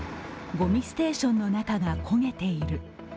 ごみステーションの中が焦げている。